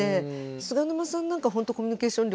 菅沼さんなんかほんとコミュニケーション力